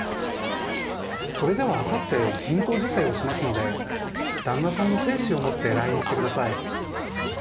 それではあさって人工授精をしますので旦那さんの精子を持って来院してください。